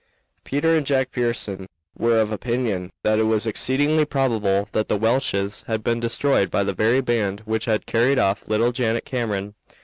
Peter and Jack Pearson were of opinion that it was exceedingly probable that the Welches had been destroyed by the very band which had carried off little Janet Cameron.